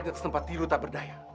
ke tempat tiru tak berdaya